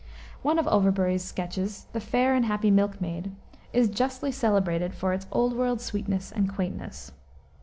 One of Overbury's sketches the Fair and Happy Milkmaid is justly celebrated for its old world sweetness and quaintness.